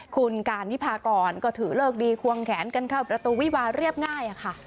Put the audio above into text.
คุณการวิพากรก็ถือเลิกดีควงแขนกันเข้าประตูวิวาเรียบง่ายค่ะ